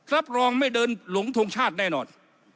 รับรองไม่เดินหลงทงชาติแน่นอน